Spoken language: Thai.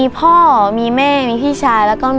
พ่อแม่พี่ชายแล้วก็